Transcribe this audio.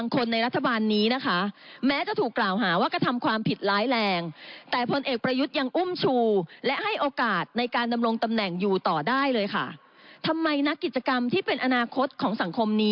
กับนายกรัฐมนตรีนะคะ